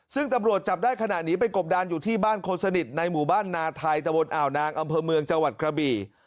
ซึ่งตำรวจจับได้ขณะนี้ไปกบดานอยู่ที่บ้านคนสนิทในหมู่บ้านนาไทยตะวนอ่าวนางอำเภอเมืองจังหวัดกระบี่